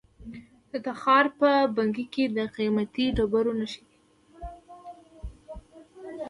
د تخار په بنګي کې د قیمتي ډبرو نښې دي.